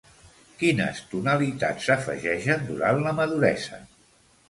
Quines tonalitats s'afegeixen durant la maduresa?